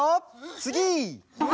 つぎ！